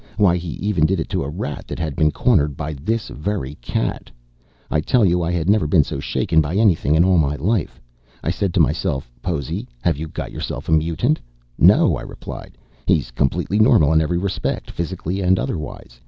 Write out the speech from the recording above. Why, he even did it to a rat that had been cornered by this very cat. "I tell you, I had never been so shaken by anything in all my life. I said to myself, 'Possy, have you got yourself a mutant?' 'No,' I replied. 'He's completely normal in every respect, physically and otherwise.